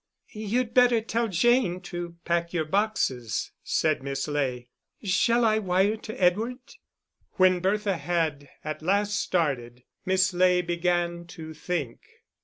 "You'd better tell Jane to pack your boxes," said Miss Ley. "Shall I wire to Edward?" When Bertha had at last started, Miss Ley began to think.